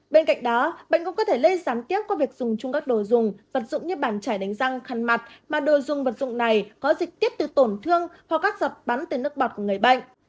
bên cạnh đó bệnh cũng có thể lây gián tiếp qua việc dùng chung các đồ dùng vật dụng như bản chải đánh răng khăn mặt mà đồ dùng vật dụng này có dịch tiếp từ tổn thương hoặc các dập bắn từ nước bọt của người bệnh